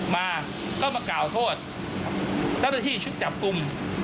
มาก็มากล่าวโทษเจ้าหน้าที่ชุดจับกลุ่ม